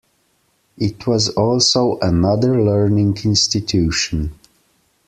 It was also another learning institution.